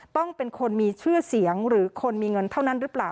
ต้องเป็นคนมีชื่อเสียงหรือคนมีเงินเท่านั้นหรือเปล่า